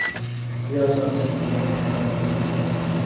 伊萨科夫也参与了诸如苏联大百科全书一类着作的编辑工作。